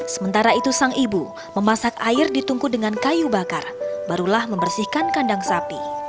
sementara itu sang ibu memasak air ditungku dengan kayu bakar barulah membersihkan kandang sapi